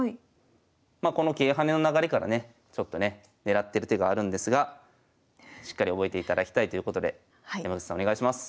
まあこの桂跳ねの流れからねちょっとね狙ってる手があるんですがしっかり覚えていただきたいということで山口さんお願いします。